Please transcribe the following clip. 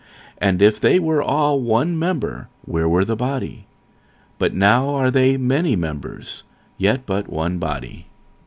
46:012:019 And if they were all one member, where were the body? 46:012:020 But now are they many members, yet but one body.